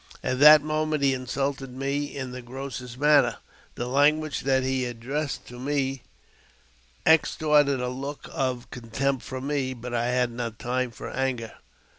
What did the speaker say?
At that moment he insulted me in the grossest manner. The language that he addressed to me extorted a look of contempt from me, but I had not time for anger.